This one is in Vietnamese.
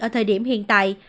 ở thời điểm hiện tại